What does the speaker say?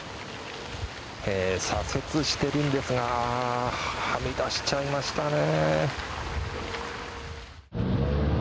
左折しているんですがはみ出しちゃいましたね。